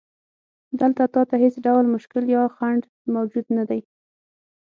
دلته تا ته هیڅ ډول مشکل یا خنډ موجود نه دی.